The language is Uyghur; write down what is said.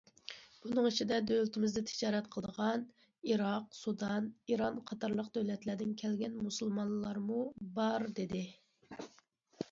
بۇنىڭ ئىچىدە دۆلىتىمىزدە تىجارەت قىلىدىغان ئىراق، سۇدان، ئىران قاتارلىق دۆلەتلەردىن كەلگەن مۇسۇلمانلارمۇ بار دېدى.